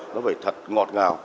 nó phải thật ngọt ngào